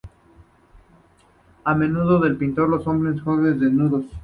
A menudo pintó hombres jóvenes desnudos.